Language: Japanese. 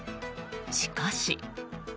しかし。